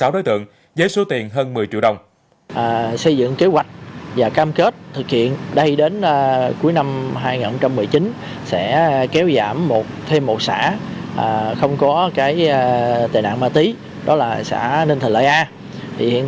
một mươi sáu đối tượng với số tiền hơn một mươi triệu đồng